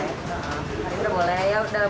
kemarin belum bisa syuting